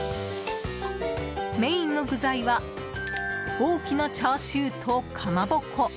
メインの具材は大きなチャーシューとかまぼこ。